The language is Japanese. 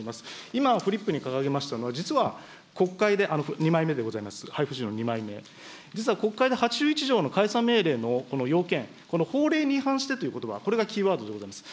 今、フリップに掲げましたのは、実は国会で、２枚目でございます、配布資料の２枚目、実は国会で８１条の解散命令のこの要件、この法令に違反してということば、これがキーワードでございます。